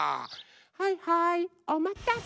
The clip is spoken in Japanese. はいはいおまたせ。